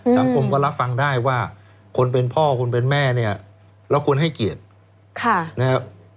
สังคมก็รับฟังได้ว่าคนเป็นพ่อคนเป็นแม่เนี่ยเราควรให้เกียรตินะครับ